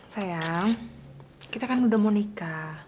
sayang kita kan udah mau nikah